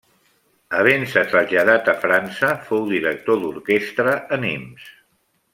Havent-se traslladat a França, fou director d'orquestra a Nimes.